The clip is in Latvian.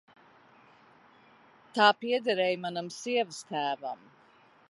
Tā piederēja manam sievastēvam.